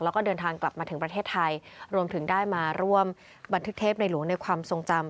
แล้วก็เดินทางกลับมาถึงประเทศไทยรวมถึงได้มาร่วมบันทึกเทพในหลวงในความทรงจำ